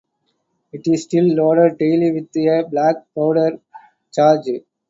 It is still loaded daily with a black powder charge.